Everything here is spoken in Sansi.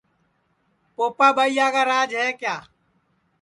پوپا ٻائیا کا راج ہے کیا